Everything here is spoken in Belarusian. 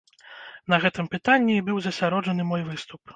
На гэтым пытанні і быў засяроджаны мой выступ.